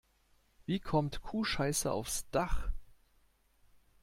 Wie kommt Kuhscheiße aufs Dach?